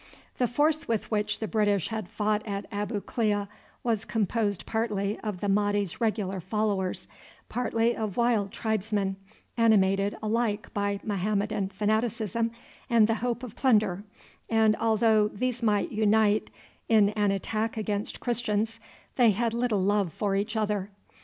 The force with which the British had fought at Abu Klea was composed partly of the Mahdi's regular followers, partly of wild tribesmen, animated alike by Mahommedan fanaticism and the hope of plunder; and although these might unite in an attack against Christians, they had little love for each other.